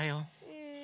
うん。